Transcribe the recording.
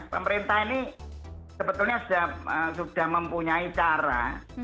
pemerintah ini sebetulnya sudah mempunyai cara